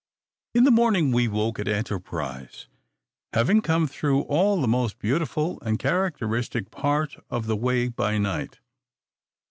In the morning we woke at Enterprise, having come through all the most beautiful and characteristic part of the way by night.